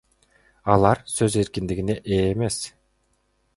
Алар сөз эркиндигине ээ эмес.